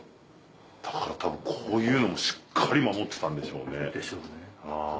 だから多分こういうのもしっかり守ってたんでしょうね。